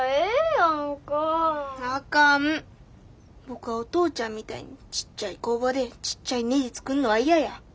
僕はお父ちゃんみたいにちっちゃい工場でちっちゃいねじ作んのは嫌や。